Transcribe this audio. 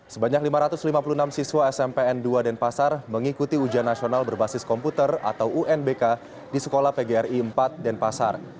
sebanyak lima ratus lima puluh enam siswa smpn dua denpasar mengikuti ujian nasional berbasis komputer atau unbk di sekolah pgri empat denpasar